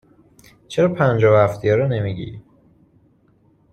چرا پنجاه و هفتیا رو نمی گی؟